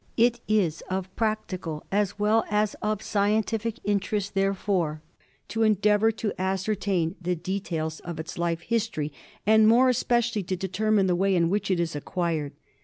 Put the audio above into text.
It is of practical as well as of scientific interest, there fore, to endeavour to ascertain the details of its life THE SLEEPING SICKNESS. 127 history, and more especially to determine the way in which it is acquired.